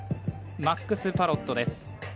マックス・パロットです。